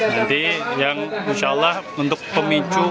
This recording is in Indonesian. jadi yang insya allah untuk pemicu